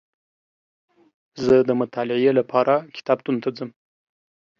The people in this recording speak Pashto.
زه دمطالعې لپاره کتابتون ته ځم